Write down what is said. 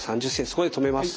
そこで止めます。